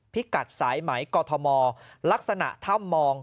พิกัดสายไหมกอทมลักษณะถ้ำมอง